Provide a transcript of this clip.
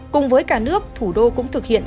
cùng với cả nước thủ đô cũng thực hiện